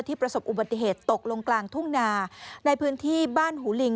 ประสบอุบัติเหตุตกลงกลางทุ่งนาในพื้นที่บ้านหูลิง